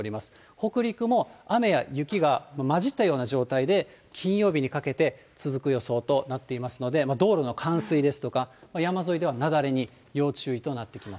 北陸も雨や雪が交じったような状態で、金曜日にかけて続く予想となっていますので、道路の冠水ですとか、山沿いでは雪崩に要注意となってきます。